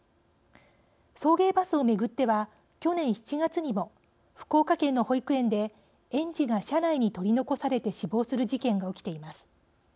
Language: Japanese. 送迎バスを巡っては去年７月にも福岡県の保育園で園児が車内に取り残されて死亡する事件が起きています。